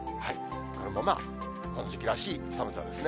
これもまあ、この時期らしい寒さですね。